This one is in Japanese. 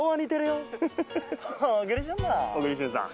小栗旬さん